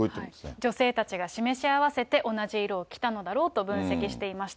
女性たちが示し合わせて同じ色を着たのだろうと分析していました。